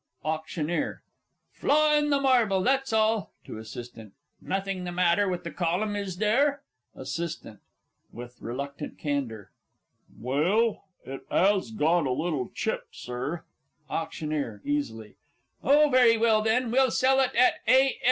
AUCT. Flaw in the marble, that's all. (To ASSIST.) Nothing the matter with the column, is there? ASSIST. (with reluctant candour). Well, it 'as got a little chipped, Sir. AUCT. (easily). Oh, very well then, we'll sell it "A.